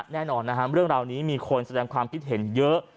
แน่นอนเรื่องเหล่านี้มีคนแสดงความคิดเห็นเยอะ